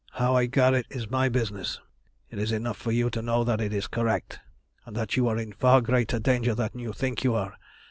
How I got it is my business. It is enough for you to know that it is correct, and that you are in far greater danger than you think you are.